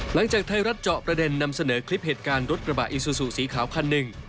หลังจากไทยรัฐเจาะประเด็นนำเสนอคลิปเหตุการณ์รถกระบะอิซูซูสีขาวคันหนึ่ง